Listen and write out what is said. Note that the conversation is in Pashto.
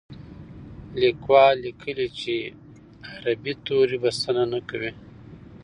لیکوال لیکلي چې عربي توري بسنه نه کوي.